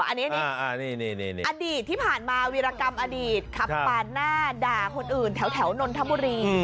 อันนี้อดีตที่ผ่านมาวีรกรรมอดีตขับปาดหน้าด่าคนอื่นแถวนนทบุรี